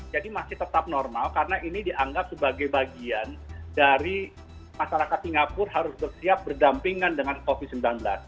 jadi masih tetap normal karena ini dianggap sebagai bagian dari masyarakat singapura harus bersiap berdampingan dengan covid sembilan belas